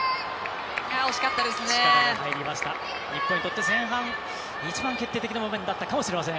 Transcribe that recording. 日本にとって、前半一番決定的な場面だったかもしれません。